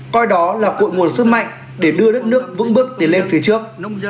coi đó là cội nguồn sức mạnh để đưa đất nước vững bước tiến lên phía trước